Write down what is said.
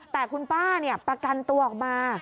แต่คุณป้าประกันตัวออกมา